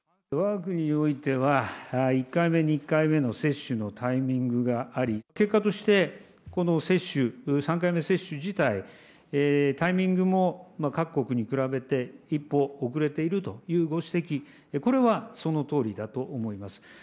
わが国においては、１回目、２回目の接種のタイミングがあり、結果として、この接種、３回目接種自体、タイミングも各国に比べて一歩遅れているというご指摘、これはそのとおりだと思います。